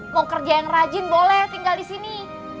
mau kerja yang rajin boleh tinggal disini